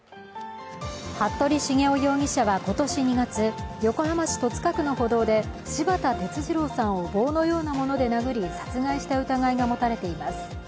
服部繁雄容疑者は今年２月、横浜市戸塚区の歩道で柴田哲二郎さんを棒のようなもので殴り殺害した疑いが持たれています。